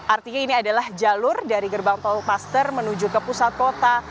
artinya ini adalah jalur dari gerbang tol paster menuju ke pusat kota